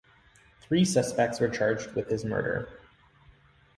Three suspects were charged with his murder.